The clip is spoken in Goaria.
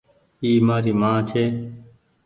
اي مآري مان ڇي۔